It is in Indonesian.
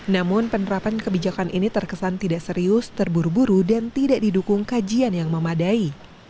namun penerapan kebijakan ini terkesan tidak serius terburu buru dan tidak didukung kajian yang memadai